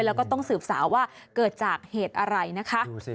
แล้วก็ต้องสืบสาวว่าเกิดจากเหตุอะไรนะคะ